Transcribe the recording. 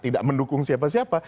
tidak mendukung siapa siapa